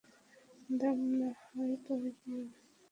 দাম নাহয় পরে দিও।